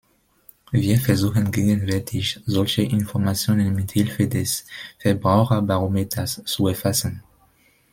Wir versuchen gegenwärtig, solche Informationen mithilfe des Verbraucherbarometers zu erfassen.